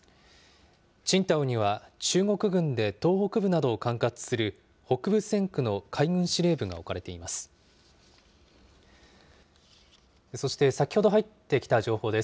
青島には、中国軍で東北部などを管轄する北部戦区の海軍司令部が置かれています。